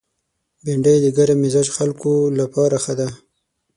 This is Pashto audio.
بېنډۍ د ګرم مزاج خلکو لپاره ښه ده